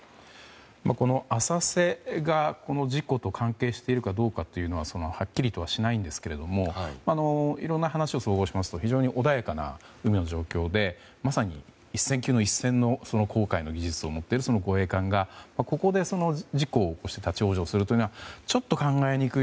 この浅瀬が事故と関係しているかどうかははっきりとしないんですがいろんな話を総合しますと非常に穏やかな海の状況でまさに、一線級の一線の航海の技術を持っている護衛艦が、ここで事故を起こして立ち往生するというのはちょっと考えにくい。